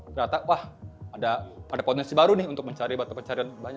ternyata wah ada potensi baru nih untuk mencari batu pencarian